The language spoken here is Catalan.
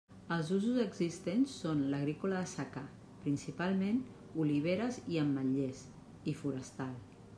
Els usos existents són l'agrícola de secà, principalment oliveres i ametllers, i forestal.